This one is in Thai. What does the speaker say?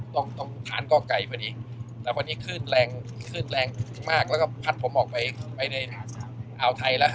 ตรงทานก็ไกลไปดีแต่วันนี้ขึ้นแรงมากแล้วก็พัดผมออกไปอ่าวไทยแล้วฮะ